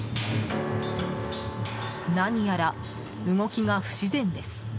何やら動きが不自然です。